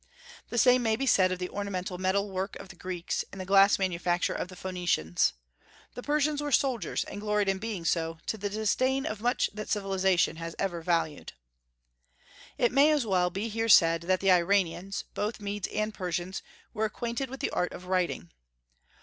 The same may be said of the ornamental metal work of the Greeks, and the glass manufacture of the Phoenicians. The Persians were soldiers, and gloried in being so, to the disdain of much that civilization has ever valued. It may as well be here said that the Iranians, both Medes and Persians, were acquainted with the art of writing.